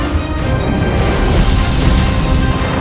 aku mau kesana